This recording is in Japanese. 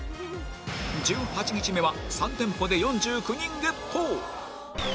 １８日目は３店舗で４９人ゲット！